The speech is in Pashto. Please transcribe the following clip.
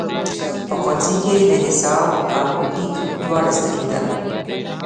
په ښوونځیو کې د حساب او لیک دواړه زده کېدل.